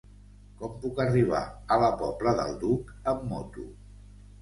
Com puc arribar a la Pobla del Duc amb moto?